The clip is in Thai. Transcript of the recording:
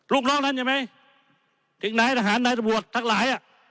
ลูกน้องนั้นใช่ไหมถึงนายอาหารนายระบวนทั้งหลาย